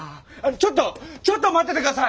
ちょっとちょっと待ってて下さい！